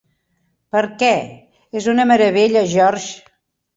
Per què? És una meravella, George!